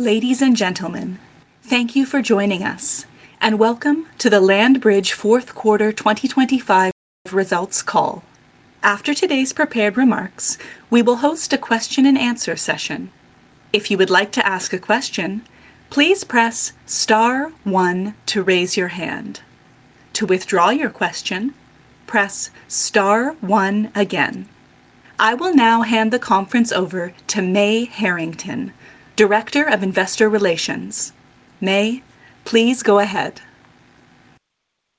Ladies and gentlemen, thank you for joining us, and welcome to the LandBridge fourth quarter 2025 results call. After today's prepared remarks, we will host a question-and-answer session. If you would like to ask a question, please press star one to raise your hand. To withdraw your question, press star one again. I will now hand the conference over to Mae Herrington, Director of Investor Relations. Mae, please go ahead.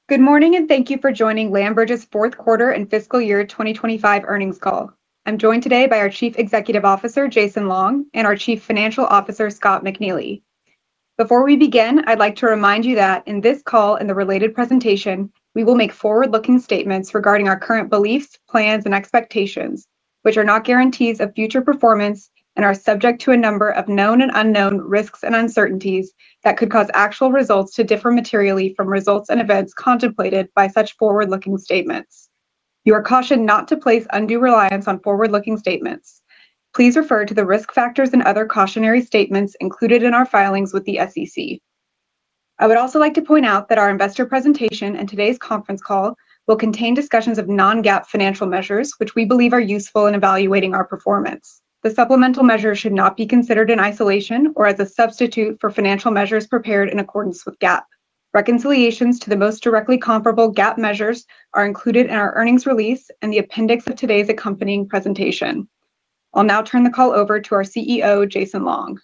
Good morning, and thank you for joining LandBridge's fourth quarter and fiscal year 2025 earnings call. I'm joined today by our Chief Executive Officer, Jason Long, and our Chief Financial Officer, Scott McNeely. Before we begin, I'd like to remind you that in this call and the related presentation, we will make forward-looking statements regarding our current beliefs, plans, and expectations, which are not guarantees of future performance and are subject to a number of known and unknown risks and uncertainties that could cause actual results to differ materially from results and events contemplated by such forward-looking statements. You are cautioned not to place undue reliance on forward-looking statements. Please refer to the risk factors and other cautionary statements included in our filings with the SEC. I would also like to point out that our investor presentation and today's conference call will contain discussions of non-GAAP financial measures, which we believe are useful in evaluating our performance. The supplemental measures should not be considered in isolation or as a substitute for financial measures prepared in accordance with GAAP. Reconciliations to the most directly comparable GAAP measures are included in our earnings release and the appendix of today's accompanying presentation. I'll now turn the call over to our CEO, Jason Long.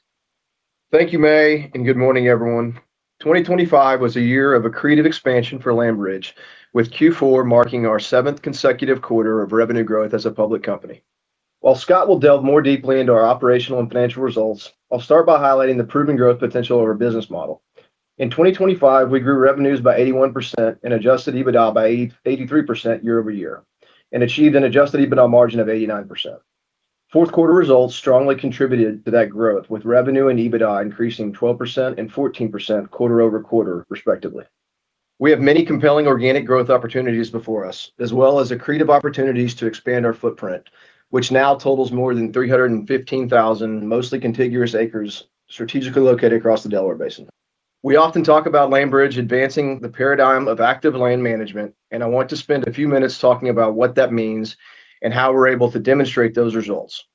Thank you, Mae, and good morning, everyone. 2025 was a year of accretive expansion for LandBridge, with Q4 marking our seventh consecutive quarter of revenue growth as a public company. While Scott will delve more deeply into our operational and financial results, I'll start by highlighting the proven growth potential of our business model. In 2025, we grew revenues by 81% and Adjusted EBITDA by 83% year-over-year and achieved an Adjusted EBITDA margin of 89%. Fourth quarter results strongly contributed to that growth, with revenue and EBITDA increasing 12% and 14% quarter-over-quarter, respectively. We have many compelling organic growth opportunities before us, as well as accretive opportunities to expand our footprint, which now totals more than 315,000, mostly contiguous acres, strategically located across the Delaware Basin. We often talk about LandBridge advancing the paradigm of active land management, and I want to spend a few minutes talking about what that means and how we're able to demonstrate those results.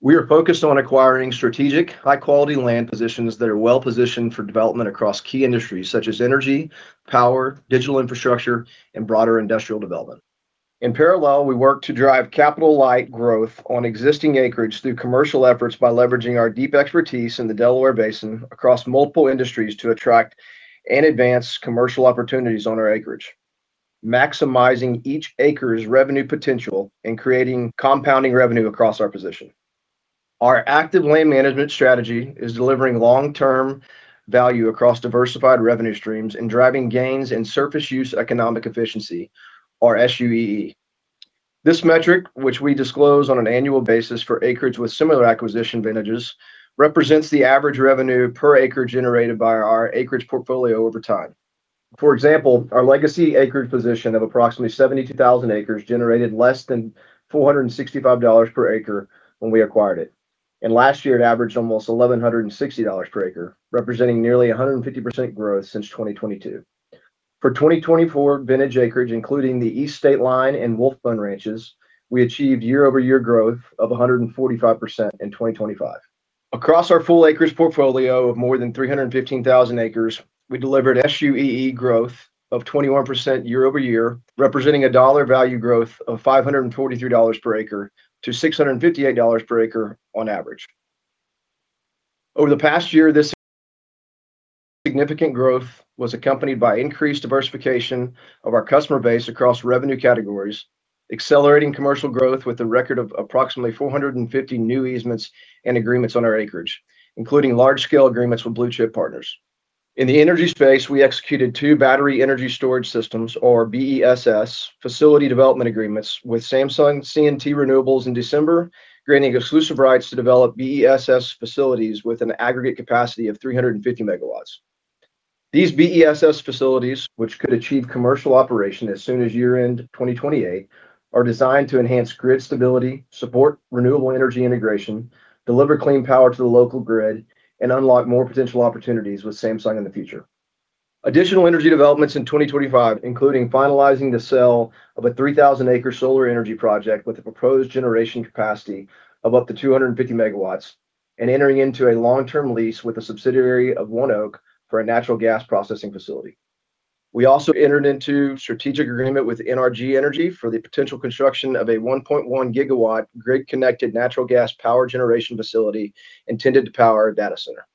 We are focused on acquiring strategic, high-quality land positions that are well-positioned for development across key industries such as energy, power, digital infrastructure, and broader industrial development. In parallel, we work to drive capital-light growth on existing acreage through commercial efforts by leveraging our deep expertise in the Delaware Basin across multiple industries to attract and advance commercial opportunities on our acreage, maximizing each acre's revenue potential and creating compounding revenue across our position. Our active land management strategy is delivering long-term value across diversified revenue streams and driving gains in surface use economic efficiency or SUEE. This metric, which we disclose on an annual basis for acreage with similar acquisition vintages, represents the average revenue per acre generated by our acreage portfolio over time. For example, our legacy acreage position of approximately 72,000 acres generated less than $465 per acre when we acquired it, and last year it averaged almost $1,160 per acre, representing nearly 150% growth since 2022. For 2024 vintage acreage, including the East Stateline and Wolf Bone Ranches, we achieved year-over-year growth of 145% in 2025. Across our full acreage portfolio of more than 315,000 acres, we delivered SUEE growth of 21% year-over-year, representing a dollar value growth of $543 per acre-$658 per acre on average. Over the past year, this significant growth was accompanied by increased diversification of our customer base across revenue categories, accelerating commercial growth with a record of approximately 450 new easements and agreements on our acreage, including large-scale agreements with blue-chip partners. In the energy space, we executed two Battery Energy Storage Systems, or BESS, facility development agreements with Samsung C&T Renewables in December, granting exclusive rights to develop BESS facilities with an aggregate capacity of 350 MW. These BESS facilities, which could achieve commercial operation as soon as year-end 2028, are designed to enhance grid stability, support renewable energy integration, deliver clean power to the local grid, and unlock more potential opportunities with Samsung in the future. Additional energy developments in 2025, including finalizing the sale of a 3,000-acre solar energy project with a proposed generation capacity of up to 250 MW and entering into a long-term lease with a subsidiary of ONEOK for a natural gas processing facility. We also entered into a strategic agreement with NRG Energy for the potential construction of a 1.1 gigawatt grid-connected natural gas power generation facility intended to power a data center.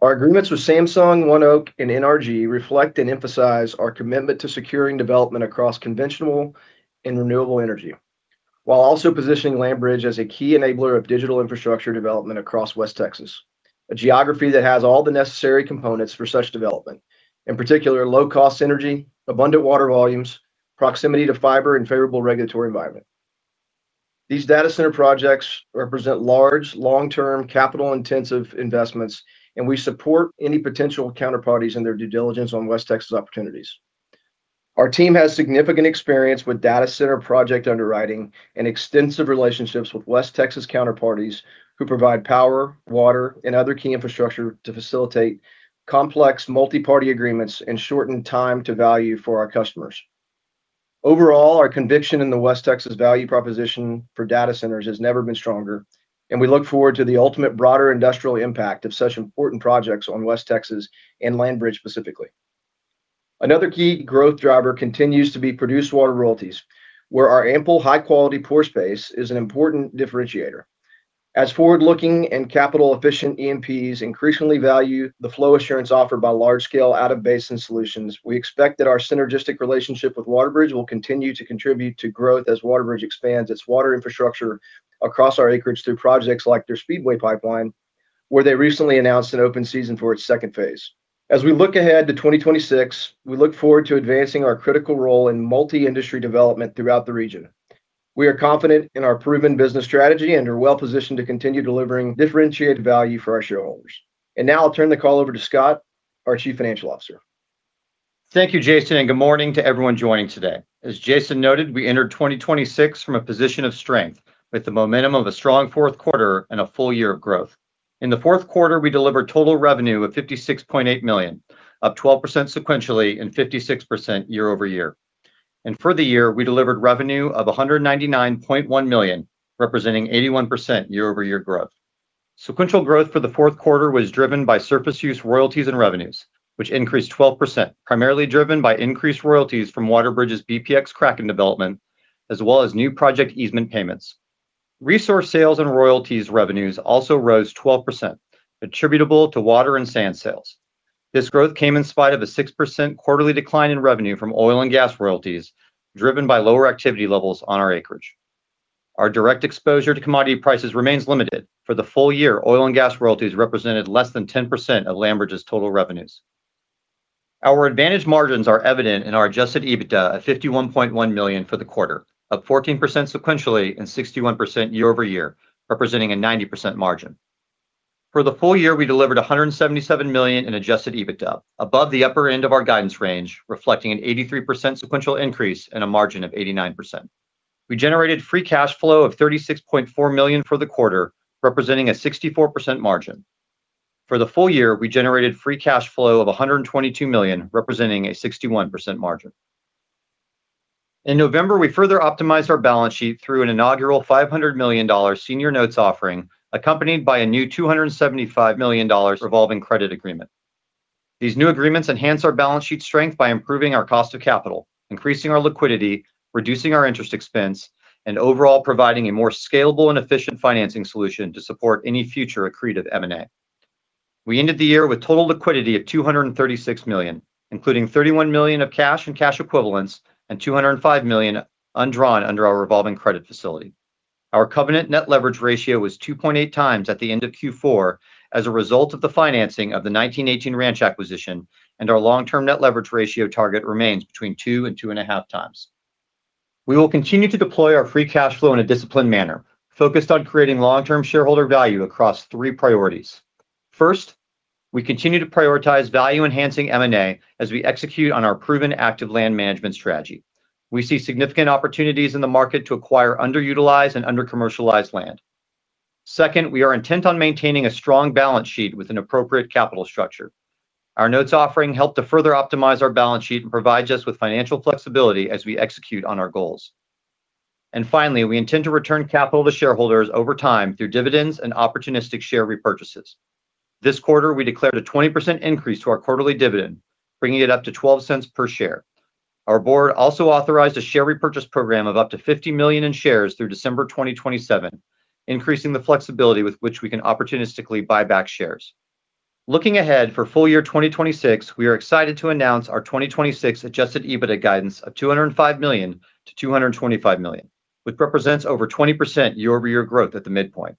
Our agreements with Samsung, ONEOK, and NRG reflect and emphasize our commitment to securing development across conventional and renewable energy, while also positioning LandBridge as a key enabler of digital infrastructure development across West Texas, a geography that has all the necessary components for such development. In particular, low-cost energy, abundant water volumes, proximity to fiber, and favorable regulatory environment. These data center projects represent large, long-term, capital-intensive investments, and we support any potential counterparties in their due diligence on West Texas opportunities. Our team has significant experience with data center project underwriting and extensive relationships with West Texas counterparties who provide power, water, and other key infrastructure to facilitate complex multi-party agreements and shorten time to value for our customers. Overall, our conviction in the West Texas value proposition for data centers has never been stronger, and we look forward to the ultimate broader industrial impact of such important projects on West Texas and LandBridge specifically. Another key growth driver continues to be produced water royalties, where our ample, high-quality pore space is an important differentiator. As forward-looking and capital-efficient E&Ps increasingly value the flow assurance offered by large-scale, out-of-basin solutions, we expect that our synergistic relationship with WaterBridge will continue to contribute to growth as WaterBridge expands its water infrastructure across our acreage through projects like their Speedway Pipeline, where they recently announced an open season for its second phase. As we look ahead to 2026, we look forward to advancing our critical role in multi-industry development throughout the region. We are confident in our proven business strategy and are well positioned to continue delivering differentiated value for our shareholders. Now I'll turn the call over to Scott, our Chief Financial Officer. Thank you, Jason. Good morning to everyone joining today. As Jason noted, we entered 2026 from a position of strength with the momentum of a strong fourth quarter and a full year of growth. In the fourth quarter, we delivered total revenue of $56.8 million, up 12% sequentially and 56% year-over-year. For the year, we delivered revenue of $199.1 million, representing 81% year-over-year growth. Sequential growth for the fourth quarter was driven by surface use royalties and revenues, which increased 12%, primarily driven by increased royalties from WaterBridge's bpx Kraken development, as well as new project easement payments. Resource sales and royalties revenues also rose 12%, attributable to water and sand sales. This growth came in spite of a 6% quarterly decline in revenue from oil and gas royalties, driven by lower activity levels on our acreage. Our direct exposure to commodity prices remains limited. For the full year, oil and gas royalties represented less than 10% of LandBridge's total revenues. Our advantage margins are evident in our Adjusted EBITDA of $51.1 million for the quarter, up 14% sequentially and 61% year-over-year, representing a 90% margin. For the full year, we delivered $177 million in Adjusted EBITDA, above the upper end of our guidance range, reflecting an 83% sequential increase and a margin of 89%. We generated free cash flow of $36.4 million for the quarter, representing a 64% margin. For the full year, we generated free cash flow of $122 million, representing a 61% margin. In November, we further optimized our balance sheet through an inaugural $500 million senior notes offering, accompanied by a new $275 million revolving credit agreement. These new agreements enhance our balance sheet strength by improving our cost of capital, increasing our liquidity, reducing our interest expense, and overall providing a more scalable and efficient financing solution to support any future accretive M&A. We ended the year with total liquidity of $236 million, including $31 million of cash and cash equivalents and $205 million undrawn under our revolving credit facility. Our covenant net leverage ratio was 2.8x at the end of Q4 as a result of the financing of the 1918 Ranch acquisition. Our long-term net leverage ratio target remains between 2x and 2.5x. We will continue to deploy our free cash flow in a disciplined manner, focused on creating long-term shareholder value across three priorities. First, we continue to prioritize value-enhancing M&A as we execute on our proven active land management strategy. We see significant opportunities in the market to acquire underutilized and under-commercialized land. Second, we are intent on maintaining a strong balance sheet with an appropriate capital structure. Our notes offering helped to further optimize our balance sheet and provides us with financial flexibility as we execute on our goals. Finally, we intend to return capital to shareholders over time through dividends and opportunistic share repurchases. This quarter, we declared a 20% increase to our quarterly dividend, bringing it up to $0.12 per share. Our board also authorized a share repurchase program of up to $50 million in shares through December 2027, increasing the flexibility with which we can opportunistically buy back shares. Looking ahead for full year 2026, we are excited to announce our 2026 Adjusted EBITDA guidance of $205 million-$225 million, which represents over 20% year-over-year growth at the midpoint.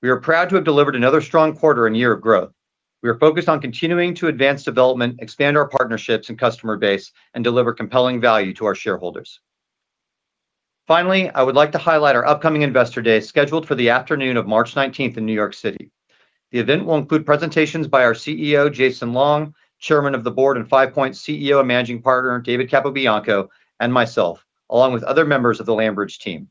We are proud to have delivered another strong quarter and year of growth. We are focused on continuing to advance development, expand our partnerships and customer base, and deliver compelling value to our shareholders. Finally, I would like to highlight our upcoming Investor Day, scheduled for the afternoon of March 19th in New York City. The event will include presentations by our CEO, Jason Long, Chairman of the Board and Five Point CEO and Managing Partner, David Capobianco, and myself, along with other members of the LandBridge team.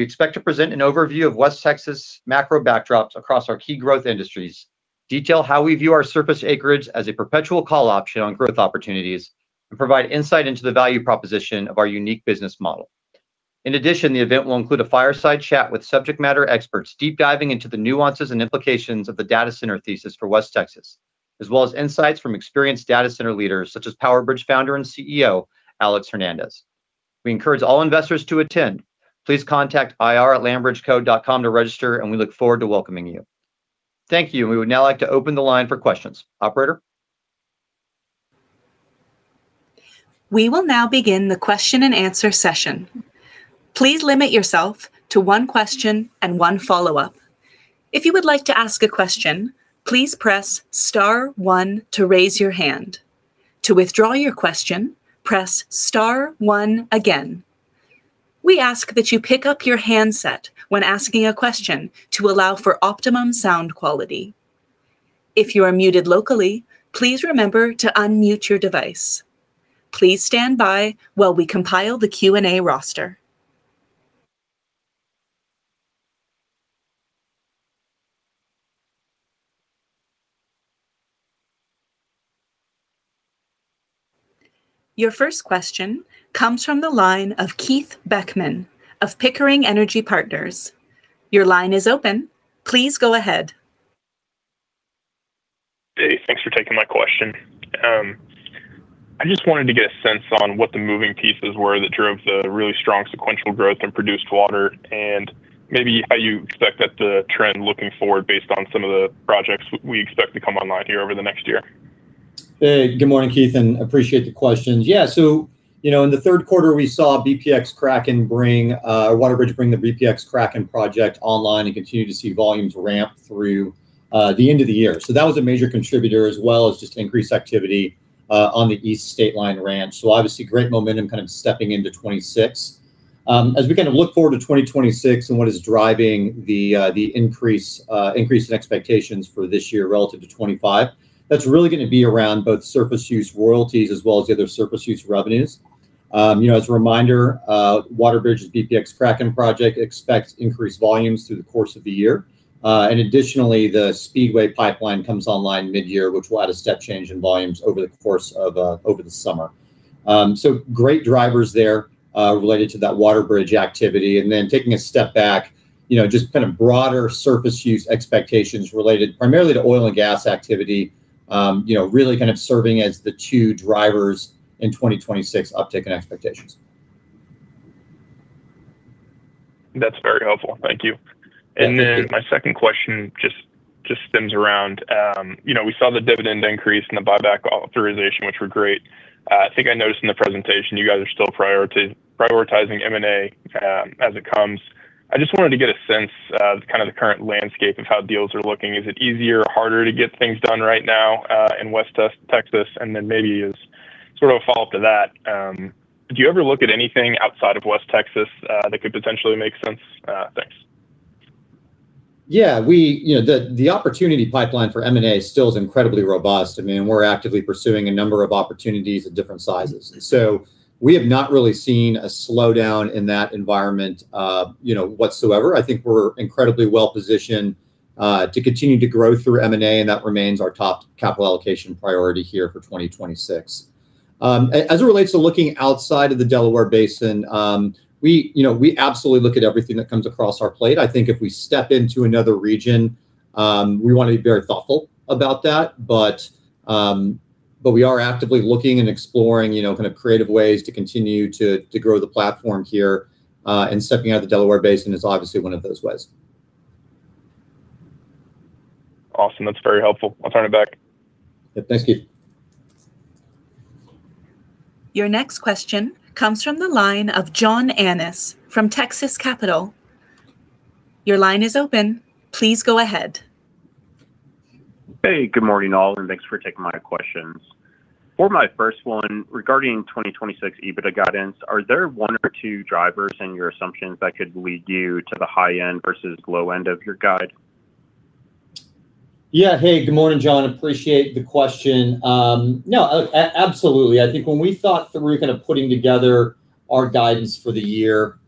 We expect to present an overview of West Texas' macro backdrops across our key growth industries, detail how we view our surface acreage as a perpetual call option on growth opportunities, and provide insight into the value proposition of our unique business model. In addition, the event will include a fireside chat with subject matter experts, deep diving into the nuances and implications of the data center thesis for West Texas, as well as insights from experienced data center leaders such as PowerBridge Founder and CEO, Alex Hernandez. We encourage all investors to attend. Please contact ir@LandBridgeCo.com to register, and we look forward to welcoming you. Thank you. We would now like to open the line for questions. Operator? We will now begin the question-and-answer session. Please limit yourself to one question and one follow-up. If you would like to ask a question, please press star one to raise your hand. To withdraw your question, press star one again. We ask that you pick up your handset when asking a question to allow for optimum sound quality. If you are muted locally, please remember to unmute your device. Please stand by while we compile the Q&A roster. Your first question comes from the line of Keith Beckmann of Pickering Energy Partners. Your line is open. Please go ahead. Hey, thanks for taking my question. I just wanted to get a sense on what the moving pieces were that drove the really strong sequential growth in produced water, and maybe how you expect that the trend looking forward based on some of the projects we expect to come online here over the next year? Hey, good morning, Keith, and appreciate the questions. you know, in the third quarter, we saw bpx Kraken bring WaterBridge bring the bpx Kraken project online and continue to see volumes ramp through the end of the year. That was a major contributor, as well as just increased activity on the East Stateline Ranch. Obviously, great momentum kind of stepping into 2026. As we kind of look forward to 2026 and what is driving the increase in expectations for this year relative to 2025, that's really gonna be around both surface use royalties as well as the other surface use revenues. you know, as a reminder, WaterBridge's bpx Kraken project expects increased volumes through the course of the year. Additionally, the Speedway Pipeline comes online mid-year, which will add a step change in volumes over the course of over the summer. Great drivers there related to that WaterBridge activity. Then taking a step back, you know, just kind of broader surface use expectations related primarily to oil and gas activity, you know, really kind of serving as the two drivers in 2026 uptick in expectations. That's very helpful. Thank you. Yeah. My second question just stems around, you know, we saw the dividend increase and the buyback authorization, which were great. I think I noticed in the presentation you guys are still prioritizing M&A as it comes. I just wanted to get a sense of kind of the current landscape of how deals are looking. Is it easier or harder to get things done right now in West Texas? Maybe as sort of a follow-up to that, do you ever look at anything outside of West Texas that could potentially make sense? Thanks. Yeah, you know, the opportunity pipeline for M&A still is incredibly robust. I mean, we're actively pursuing a number of opportunities at different sizes. We have not really seen a slowdown in that environment, you know, whatsoever. I think we're incredibly well positioned to continue to grow through M&A, and that remains our top capital allocation priority here for 2026. As it relates to looking outside of the Delaware Basin, we, you know, we absolutely look at everything that comes across our plate. I think if we step into another region, we want to be very thoughtful about that. But we are actively looking and exploring, you know, kind of creative ways to continue to grow the platform here, and stepping out of the Delaware Basin is obviously one of those ways. Awesome. That's very helpful. I'll turn it back. Yeah. Thank you. Your next question comes from the line of John Annis from Texas Capital. Your line is open. Please go ahead. Hey, good morning, all, and thanks for taking my questions. For my first one, regarding 2026 EBITDA guidance, are there one or two drivers in your assumptions that could lead you to the high end versus low end of your guide? Yeah. Hey, good morning, John. Appreciate the question. No, absolutely. I think when we thought through kind of putting together our guidance for the year,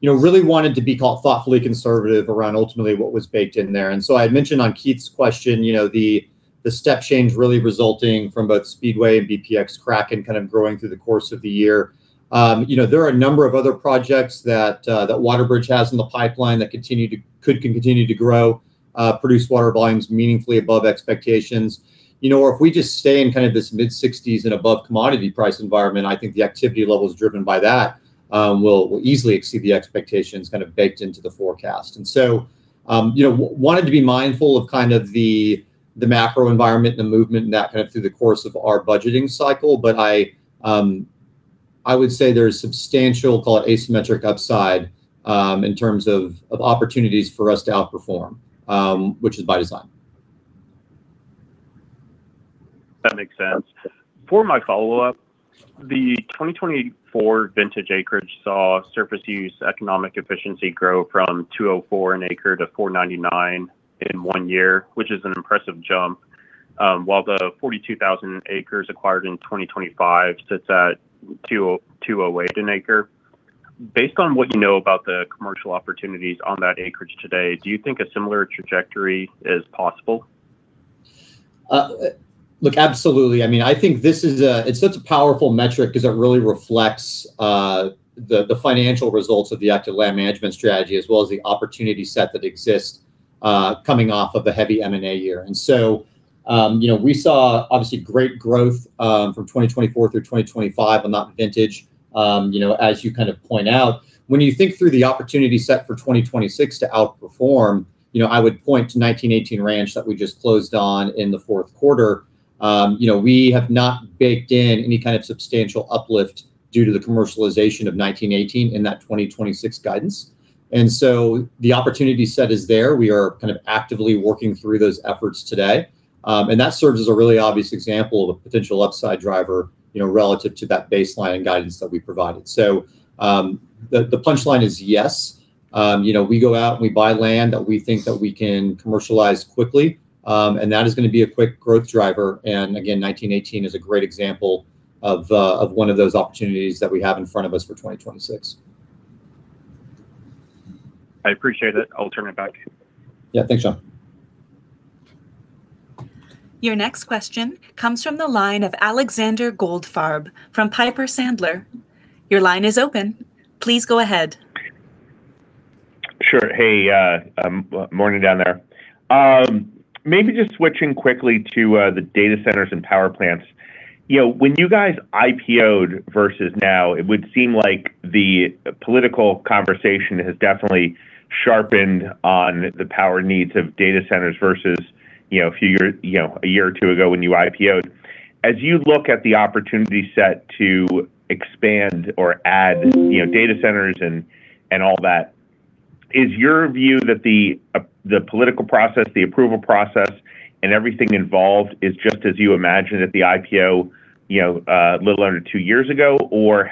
you know, really wanted to be thoughtfully conservative around ultimately what was baked in there. I had mentioned on Keith's question, you know, the step change really resulting from both Speedway and bpx Kraken kind of growing through the course of the year. You know, there are a number of other projects that WaterBridge has in the pipeline that could continue to grow produce water volumes meaningfully above expectations. You know, or if we just stay in kind of this mid-60s and above commodity price environment, I think the activity levels driven by that will easily exceed the expectations kind of baked into the forecast. You know, wanted to be mindful of kind of the macro environment and the movement and that kind of through the course of our budgeting cycle. I would say there's substantial, call it, asymmetric upside in terms of opportunities for us to outperform, which is by design. That makes sense. For my follow-up, the 2024 vintage acreage saw surface use economic efficiency grow from $204 an acre to $499 in one year, which is an impressive jump, while the 42,000 acres acquired in 2025 sits at $208 an acre. Based on what you know about the commercial opportunities on that acreage today, do you think a similar trajectory is possible? Look, absolutely. I mean, I think this is such a powerful metric because it really reflects the financial results of the active land management strategy as well as the opportunity set that exists coming off of a heavy M&A year. You know, we saw obviously great growth from 2024 through 2025 on that vintage, you know, as you kind of point out. When you think through the opportunity set for 2026 to outperform, you know, I would point to 1918 Ranch that we just closed on in the fourth quarter. You know, we have not baked in any kind of substantial uplift due to the commercialization of 1918 in that 2026 guidance. The opportunity set is there. We are kind of actively working through those efforts today.... That serves as a really obvious example of a potential upside driver, you know, relative to that baseline and guidance that we provided. The punchline is yes. You know, we go out and we buy land that we think that we can commercialize quickly, and that is gonna be a quick growth driver. Again, 1918 is a great example of one of those opportunities that we have in front of us for 2026. I appreciate it. I'll turn it back. Yeah. Thanks, John. Your next question comes from the line of Alexander Goldfarb from Piper Sandler. Your line is open. Please go ahead. Sure. Hey, well, morning down there. Maybe just switching quickly to the data centers and power plants. You know, when you guys IPO'd versus now, it would seem like the political conversation has definitely sharpened on the power needs of data centers versus, you know, one or two years ago when you IPO'd. As you look at the opportunity set to expand or add, you know, data centers and all that, is your view that the political process, the approval process, and everything involved is just as you imagined at the IPO, you know, a little under two years ago?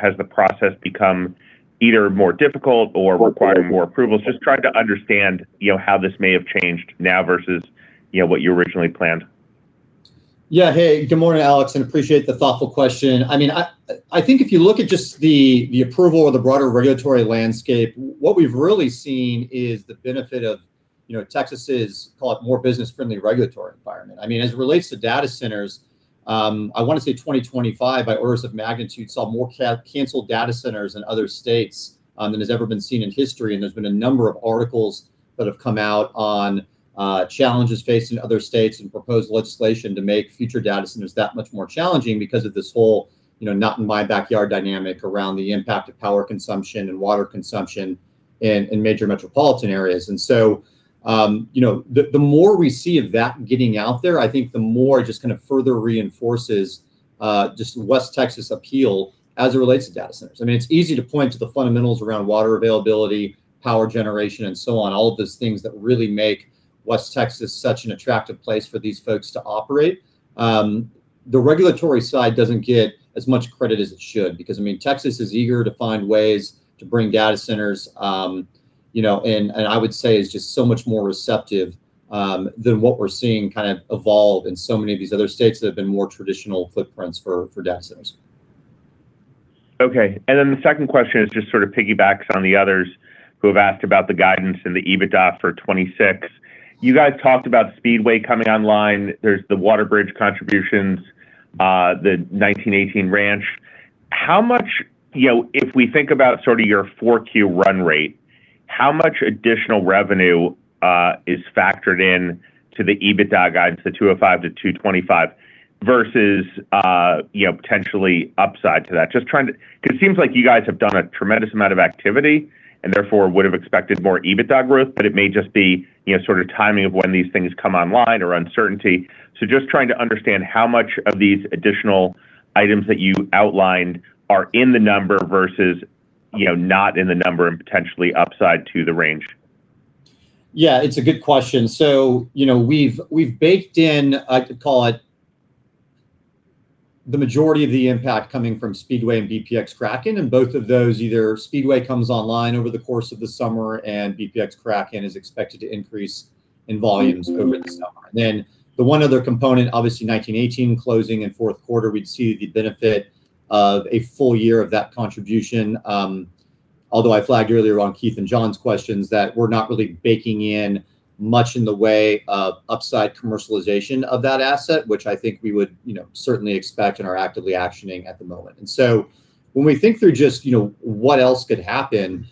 Has the process become either more difficult or require more approvals? Just trying to understand, you know, how this may have changed now versus, you know, what you originally planned. Yeah. Hey, good morning, Alex, appreciate the thoughtful question. I mean, I think if you look at just the approval or the broader regulatory landscape, what we've really seen is the benefit of, you know, Texas's, call it, more business-friendly regulatory environment. I mean, as it relates to data centers, I wanna say 2025, by orders of magnitude, saw more canceled data centers in other states than has ever been seen in history. There's been a number of articles that have come out on challenges faced in other states and proposed legislation to make future data centers that much more challenging because of this whole, you know, not in my backyard dynamic around the impact of power consumption and water consumption in major metropolitan areas. You know, the more we see of that getting out there, I think the more just kind of further reinforces just West Texas' appeal as it relates to data centers. I mean, it's easy to point to the fundamentals around water availability, power generation, and so on, all of these things that really make West Texas such an attractive place for these folks to operate. The regulatory side doesn't get as much credit as it should, because, I mean, Texas is eager to find ways to bring data centers. You know, I would say it's just so much more receptive than what we're seeing kind of evolve in so many of these other states that have been more traditional footprints for data centers. Okay. The second question just sort of piggybacks on the others who have asked about the guidance and the EBITDA for 2026. You guys talked about Speedway coming online. There's the WaterBridge contributions, the 1918 Ranch. How much, you know, if we think about sort of your 4Q run rate, how much additional revenue is factored in to the EBITDA guide, to $205 million-$225 million, versus, you know, potentially upside to that? Because it seems like you guys have done a tremendous amount of activity and therefore would have expected more EBITDA growth, but it may just be, you know, sort of timing of when these things come online or uncertainty. Just trying to understand how much of these additional items that you outlined are in the number versus, you know, not in the number and potentially upside to the range. Yeah, it's a good question. You know, we've baked in, I'd call it, the majority of the impact coming from Speedway and bpx Kraken, and both of those, either Speedway comes online over the course of the summer, and bpx Kraken is expected to increase in volumes over the summer. The one other component, obviously, 1918 closing in fourth quarter, we'd see the benefit of a full year of that contribution. Although I flagged earlier on Keith and John's questions that we're not really baking in much in the way of upside commercialization of that asset, which I think we would, you know, certainly expect and are actively actioning at the moment. When we think through just, you know, what else could happen,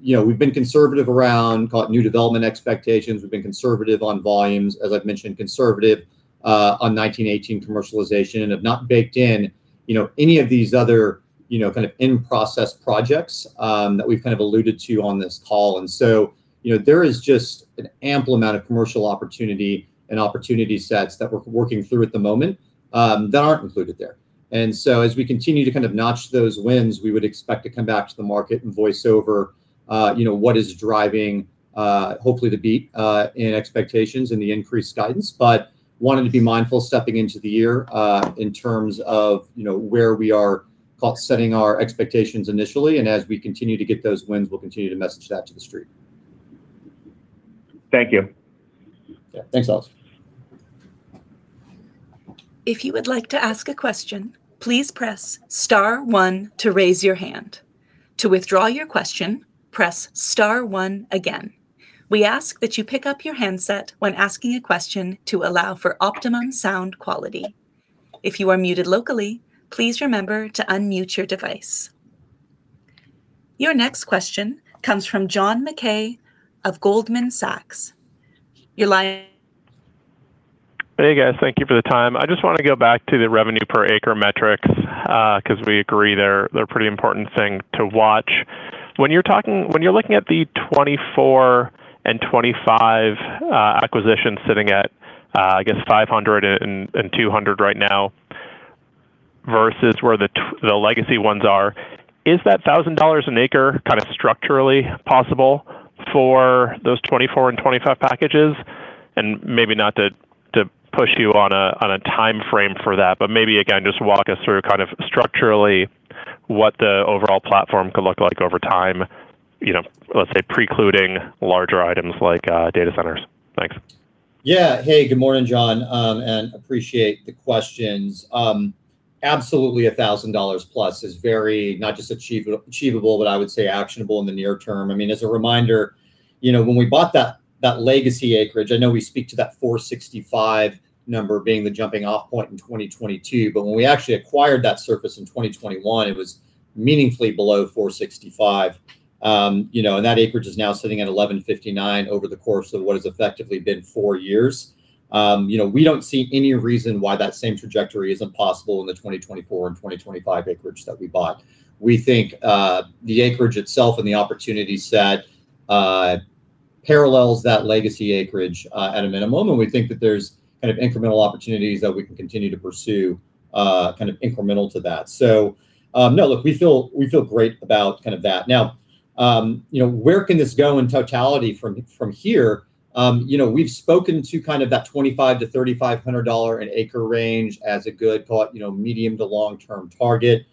you know, we've been conservative around, call it, new development expectations. We've been conservative on volumes, as I've mentioned, conservative on 1918 commercialization, and have not baked in, you know, any of these other, you know, kind of in-process projects, that we've kind of alluded to on this call. You know, there is just an ample amount of commercial opportunity and opportunity sets that we're working through at the moment, that aren't included there. As we continue to kind of notch those wins, we would expect to come back to the market and voice over, you know, what is driving, hopefully to beat, in expectations and the increased guidance. Wanted to be mindful stepping into the year, in terms of, you know, where we are setting our expectations initially, and as we continue to get those wins, we'll continue to message that to the street. Thank you. Yeah. Thanks, Alex. If you would like to ask a question, please press star one to raise your hand. To withdraw your question, press star one again. We ask that you pick up your handset when asking a question to allow for optimum sound quality. If you are muted locally, please remember to unmute your device. Your next question comes from John Mackay of Goldman Sachs. Your line. Hey, guys. Thank you for the time. I just want to go back to the revenue per acre metric, because we agree they're a pretty important thing to watch. When you're looking at the 24 and 25 acquisitions sitting at, I guess, $500 and $200 right now...... versus where the the legacy ones are, is that $1,000 an acre kind of structurally possible for those 2024 and 2025 packages? Maybe not to push you on a, on a timeframe for that, but maybe, again, just walk us through kind of structurally what the overall platform could look like over time, you know, let's say, precluding larger items like data centers. Thanks. Yeah. Hey, good morning, John, and appreciate the questions. Absolutely $1,000+ is very, not just achievable, but I would say actionable in the near term. I mean, as a reminder, you know, when we bought that legacy acreage, I know we speak to that $465 number being the jumping off point in 2022, but when we actually acquired that surface in 2021, it was meaningfully below $465. You know, and that acreage is now sitting at $1,159 over the course of what has effectively been four years. You know, we don't see any reason why that same trajectory isn't possible in the 2024 and 2025 acreage that we bought. We think the acreage itself and the opportunity set parallels that legacy acreage at a minimum, and we think that there's kind of incremental opportunities that we can continue to pursue, kind of incremental to that. No, look, we feel great about kind of that. You know, where can this go in totality from here? You know, we've spoken to kind of that $2,500-$3,500 an acre range as a good call, you know, medium to long-term target.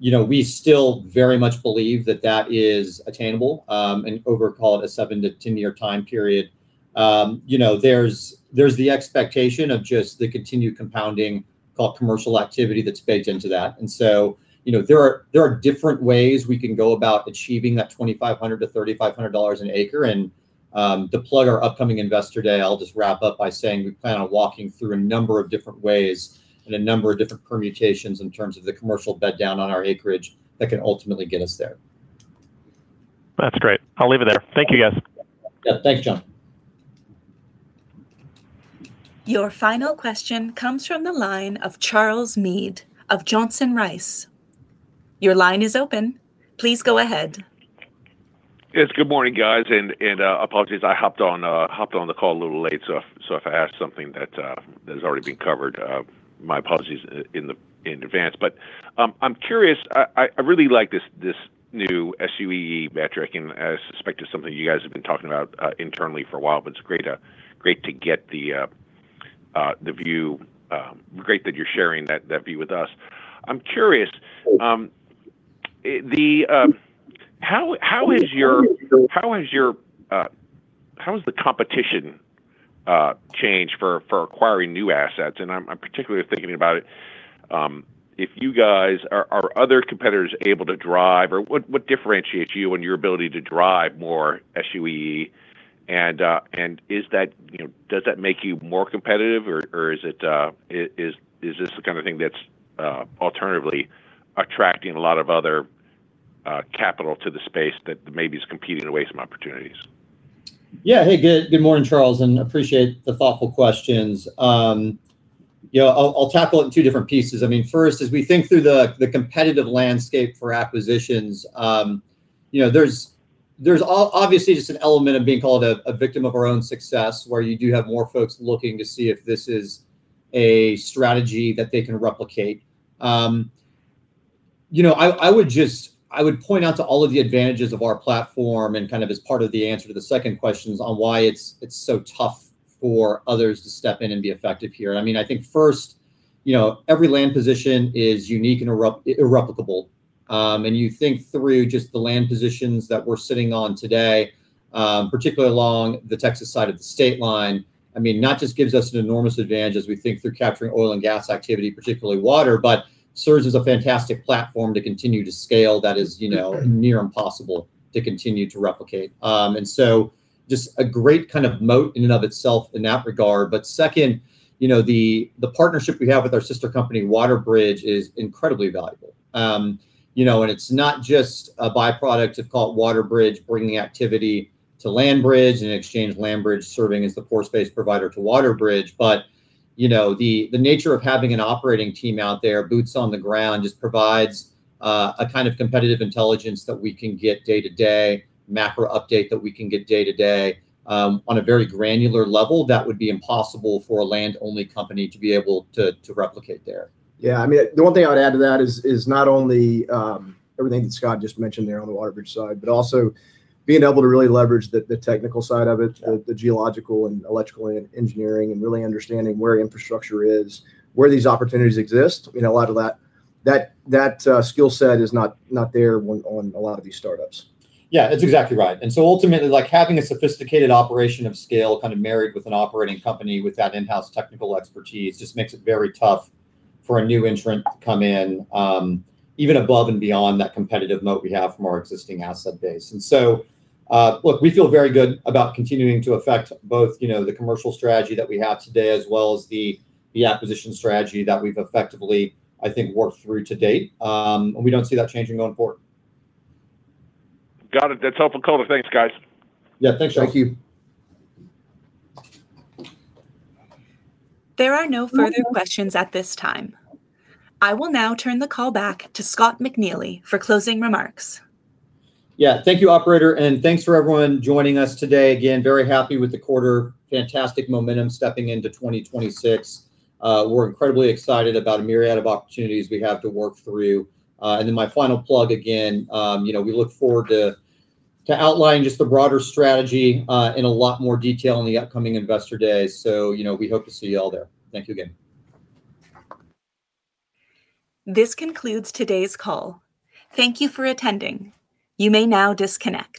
You know, we still very much believe that that is attainable, and over call it a seven to 10-year time period. You know, there's the expectation of just the continued compounding call commercial activity that's baked into that. You know, there are different ways we can go about achieving that $2,500-$3,500 an acre. To plug our upcoming Investor Day, I'll just wrap up by saying we plan on walking through a number of different ways and a number of different permutations in terms of the commercial bed down on our acreage that can ultimately get us there. That's great. I'll leave it there. Thank you, guys. Yeah. Thanks, John. Your final question comes from the line of Charles Meade of Johnson Rice. Your line is open. Please go ahead. Good morning, guys, and apologies I hopped on the call a little late. If I ask something that has already been covered, my apologies in advance. I'm curious, I really like this new SUEE metric, and I suspect it's something you guys have been talking about internally for a while, but it's great to get the view. Great that you're sharing that view with us. I'm curious. How has the competition changed for acquiring new assets? I'm particularly thinking about it if you guys. Are other competitors able to drive, or what differentiates you and your ability to drive more SUEE? Is that, you know, does that make you more competitive, or is it, is this the kind of thing that's alternatively attracting a lot of other capital to the space that maybe is competing to waste some opportunities? Yeah. Hey, good morning, Charles. Appreciate the thoughtful questions. Yeah, I'll tackle it in two different pieces. I mean, first, as we think through the competitive landscape for acquisitions, you know, there's obviously just an element of being called a victim of our own success, where you do have more folks looking to see if this is a strategy that they can replicate. You know, I would point out to all of the advantages of our platform, kind of as part of the answer to the second question on why it's so tough for others to step in and be effective here. I mean, I think first, you know, every land position is unique and irreplicable. You think through just the land positions that we're sitting on today, particularly along the Texas side of the state line, I mean, not just gives us an enormous advantage as we think through capturing oil and gas activity, particularly water, but serves as a fantastic platform to continue to scale that is, you know, near impossible to continue to replicate. Just a great kind of moat in and of itself in that regard. Second, you know, the partnership we have with our sister company, WaterBridge, is incredibly valuable. You know, it's not just a by-product of call it WaterBridge, bringing activity to LandBridge, and in exchange, LandBridge serving as the pore space provider to WaterBridge. You know, the nature of having an operating team out there, boots on the ground, just provides a kind of competitive intelligence that we can get day-to-day, mapper update that we can get day-to-day, on a very granular level that would be impossible for a land-only company to be able to replicate there. Yeah, I mean, the one thing I'd add to that is not only, everything that Scott just mentioned there on the WaterBridge side, but also being able to really leverage the technical side of it... Yeah... the geological and electrical engineering, and really understanding where infrastructure is, where these opportunities exist. You know, a lot of that skill set is not there on a lot of these startups. Yeah, that's exactly right. Ultimately, like, having a sophisticated operation of scale kind of married with an operating company with that in-house technical expertise, just makes it very tough for a new entrant to come in, even above and beyond that competitive moat we have from our existing asset base. Look, we feel very good about continuing to affect both, you know, the commercial strategy that we have today, as well as the acquisition strategy that we've effectively, I think, worked through to date. We don't see that changing going forward. Got it. That's helpful color. Thanks, guys. Yeah, thanks, Charles. Thank you. There are no further questions at this time. I will now turn the call back to Scott McNeely for closing remarks. Yeah, thank you, operator, and thanks for everyone joining us today. Again, very happy with the quarter. Fantastic momentum stepping into 2026. We're incredibly excited about the myriad of opportunities we have to work through. My final plug again, you know, we look forward to outline just the broader strategy in a lot more detail in the upcoming Investor Day. You know, we hope to see you all there. Thank you again. This concludes today's call. Thank you for attending. You may now disconnect.